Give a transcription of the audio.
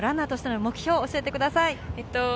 これからのランナーとしての目標を教えてください。